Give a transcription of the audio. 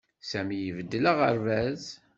Sami ibeddel aɣerbaz.